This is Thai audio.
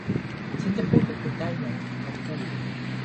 ฉันจะพูดกับคุณได้ไหม ? เขาพูด